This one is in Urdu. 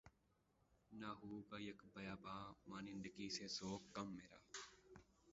نہ ہوگا یک بیاباں ماندگی سے ذوق کم میرا